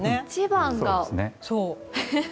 １番が。